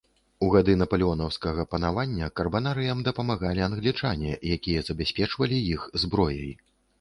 У гады напалеонаўскага панавання карбанарыям дапамагалі англічане, якія забяспечвалі іх зброяй.